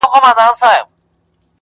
په افغان وطن کي شان د جنتو دی-